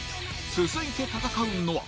続いて戦うのは？